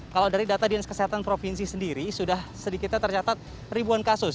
kalau dari data dinas kesehatan provinsi sendiri sudah sedikitnya tercatat ribuan kasus